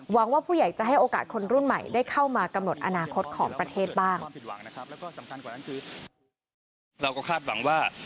ว่าผู้ใหญ่จะให้โอกาสคนรุ่นใหม่ได้เข้ามากำหนดอนาคตของประเทศบ้าง